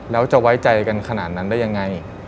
แล้วจะไว้ใจกันขนาดนั้นได้ยังไง